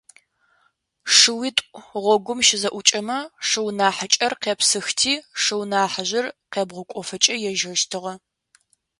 Шыуитӏу гъогум щызэӏукӏэмэ, шыу нахьыкӏэр къепсыхти шыу ныхьыжъыр къебгъукӏофэкӏэ ежэщтыгъэ.